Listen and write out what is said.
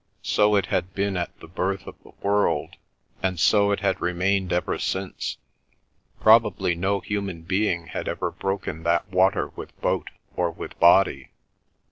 So it had been at the birth of the world, and so it had remained ever since. Probably no human being had ever broken that water with boat or with body.